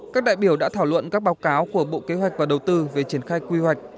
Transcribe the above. các đại biểu đã thảo luận các báo cáo của bộ kế hoạch và đầu tư về triển khai quy hoạch